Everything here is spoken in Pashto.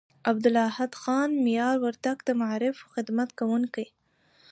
عبدالاحد خان مایار وردگ، د معارف خدمت کوونکي